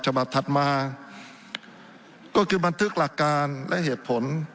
ถัดมาก็คือบันทึกหลักการและเหตุผล